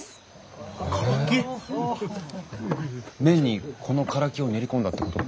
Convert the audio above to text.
麺にこのカラキを練り込んだってこと？